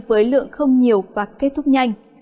với lượng không nhiều và kết thúc nhanh